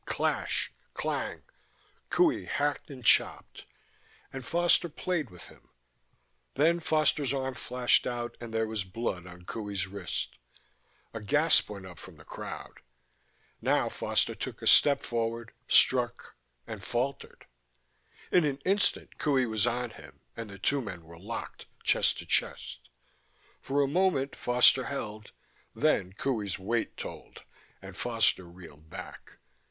Clash, clang! Qohey hacked and chopped ... and Foster played with him. Then Foster's arm flashed out and there was blood on Qohey's wrist. A gasp went up from the crowd. Now Foster took a step forward, struck ... and faltered! In an instant Qohey was on him and the two men were locked, chest to chest. For a moment Foster held, then Qohey's weight told, and Foster reeled back.